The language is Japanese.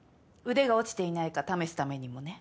腕が落ちていないか試すためにもね。